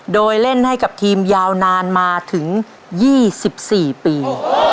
โดยเล่นให้กับทีมยาวนานมาถึง๒๔ปี